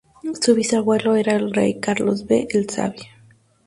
Su bisabuelo era el rey Carlos V el Sabio.